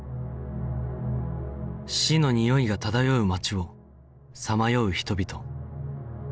死のにおいが漂う街をさまよう人々